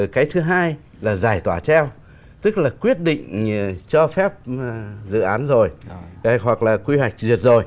cái thứ hai là giải tỏa treo tức là quyết định cho phép dự án rồi hoặc là quy hoạch diệt rồi